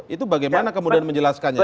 itu bagaimana kemudian menjelaskannya